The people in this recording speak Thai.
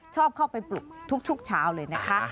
ชอบเข้าไปปลุกทุกเช้าเลยนะคะ